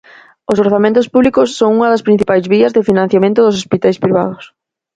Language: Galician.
Os orzamentos públicos son unha das principais vías de financiamento dos hospitais privados.